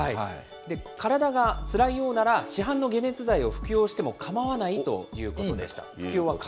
体がつらいようなら、市販の解熱剤を服用しても構わないといいいんですか？